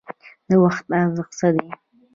د وخت ارزښت څه دی؟